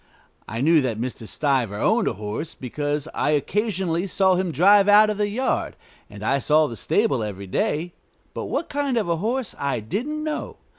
I knew that Mr. Stiver owned a horse, because I occasionally saw him drive out of the yard, and I saw the stable every day, but what kind of a horse I didn't know.